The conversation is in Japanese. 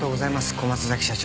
小松崎社長。